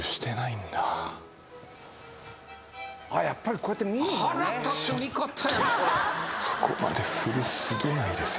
やっぱりこうやって見るんだね